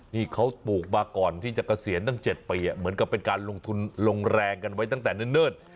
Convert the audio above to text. นี่เขาปลูกมาก่อนที่จะเกษียณตั้ง๗ปีเหมือนกับเป็นการลงทุนลงแรงกันไว้ตั้งแต่เนิ่น